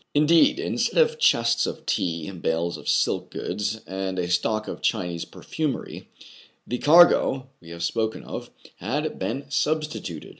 Indeed, instead of chests of tea, bales of silk goods, and a stock of Chinese perfumery, the car go we have spoken of had been substituted.